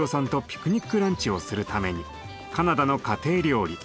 ピクニックランチをするためにカナダの家庭料理